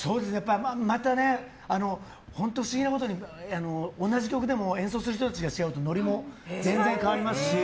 また、本当に不思議なことに同じ曲でも演奏する人たちが違うとノリも全然変わりますし。